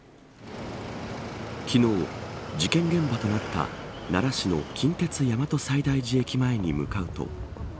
昨日、事件現場となった奈良市の近鉄大和西大寺駅前に向かうと。